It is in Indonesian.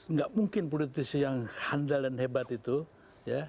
nggak mungkin politisi yang handal dan hebat itu ya